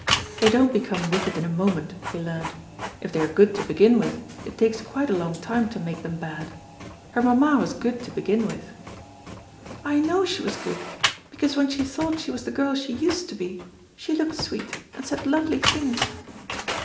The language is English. They don't become wicked in a moment, he learned; if they are good to begin with, it takes quite a long time to make them bad. Her mamma was good to begin with. "I know she was good, because when she thought she was the girl she used to be, she looked sweet and said lovely things."